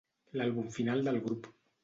L'àlbum final del grup.